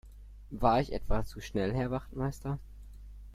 War ich etwa zu schnell Herr Wachtmeister?